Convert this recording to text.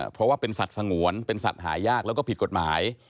เพราะว่าเป็นสัตว์สงวนเป็นสัตว์หายากแล้วก็ผิดกฎหมาย